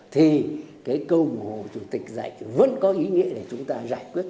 thì câu ủng hộ chủ tịch dạy vẫn có ý nghĩa để chúng ta giải quyết